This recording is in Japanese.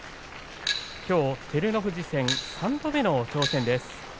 きょう照ノ富士戦、３度目の挑戦です。